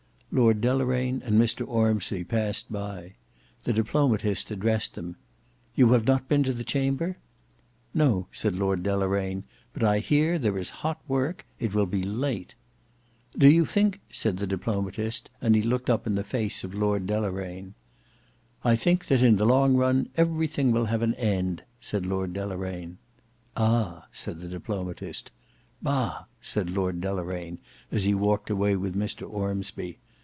Lord Deloraine and Mr Ormsby passed by; the diplomatist addressed them: "You have not been to the Chamber?" "No," said Lord Deloraine; "but I hear there is hot work. It will be late." "Do you think—," said the diplomatist, and he looked up in the face of Lord Deloraine. "I think that in the long run everything will have an end," said Lord Deloraine. "Ah!" said the diplomatist. "Bah!" said Lord Deloraine as he walked away with Mr Ormsby.